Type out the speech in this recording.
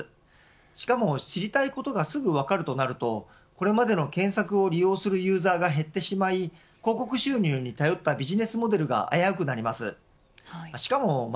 しかも知りたいことがすぐには分かるとなるとこれまでの検索を利用するユーザーが減ってしまい広告収入に頼ったビジネスモデルが危うくなります。